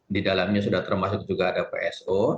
di dalamnya sudah termasuk juga ada pso